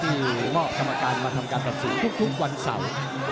มอบกรรมการมาทำการตัดสินทุกวันเสาร์